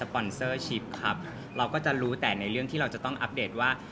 ปอนเซอร์ชิปครับเราก็จะรู้แต่ในเรื่องที่เราจะต้องอัปเดตว่า